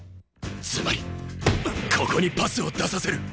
つまりここにパスを出させる！